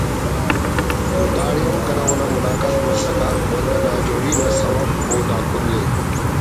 تو داڑے ہم کنا اونا ملاقات مسکہ ولدا ناجوڑی نا سوب او دا کل ءِ